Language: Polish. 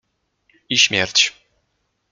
I śmierć.